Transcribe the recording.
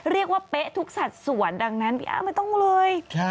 เรียกว่าเป๊ะทุกสัตว์สวนดังนั้นพี่อ้ำไม่ต้องเลย